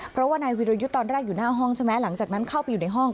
เพราะว่านายวิรยุทธ์ตอนแรกอยู่หน้าห้องใช่ไหมหลังจากนั้นเข้าไปอยู่ในห้อง